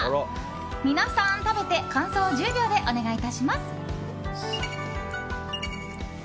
皆さん、食べて感想を１０秒でお願いいたします。